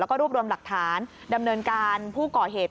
แล้วก็รวบรวมหลักฐานดำเนินการผู้ก่อเหตุ